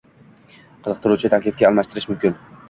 qiziqtiruvchi taklifga almashtirish mumkin.